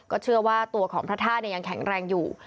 เชื่อว่าตัวของพระธาตุยังแข็งแรงอยู่